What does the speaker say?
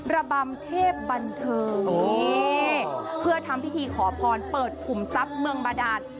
ระบำเทพบันเทิงเพื่อทำพิธีขอพรเปิดขุมทรัพย์เมืองบาดาน